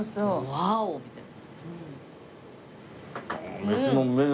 ワオ！みたいな。